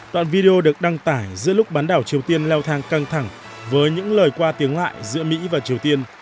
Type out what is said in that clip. đoạn video được đăng tải giữa lúc bán đảo triều tiên leo thang căng thẳng với những lời qua tiếng lại giữa mỹ và triều tiên